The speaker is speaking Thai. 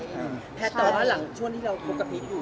และหลังช่วงที่เราคุยกับพี่พีชอยู่